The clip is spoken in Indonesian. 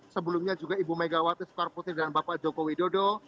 sebelumnya juga ibu megawati soekarno putri dan bapak joko widodo